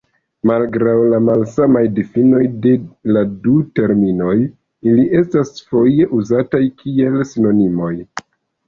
Malgraŭ la malsamaj difinoj de la du terminoj, ili estas foje uzataj kiel sinonimoj.